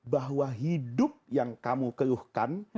bahwa hidup yang kamu keluhkan